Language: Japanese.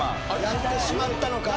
やってしまったのか？